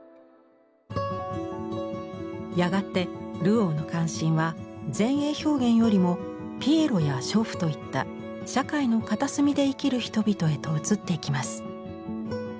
やがてルオーの関心は前衛表現よりもピエロや娼婦といった社会の片隅で生きる人々へと移っていきます。